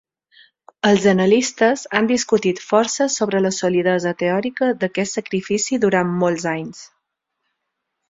Els analistes han discutit força sobre la solidesa teòrica d'aquest sacrifici durant molts anys.